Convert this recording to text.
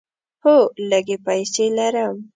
هو، لږې پیسې لرم